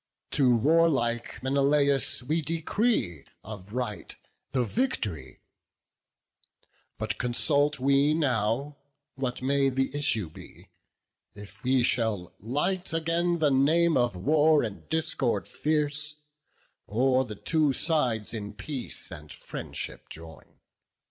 To warlike Menelaus we decree, Of right, the vict'ry; but consult we now What may the issue be; if we shall light Again the name of war and discord fierce, Or the two sides in peace and friendship join.